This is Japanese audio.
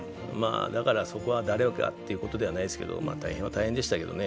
だからそこは、誰かということではないですけれども大変でしたね。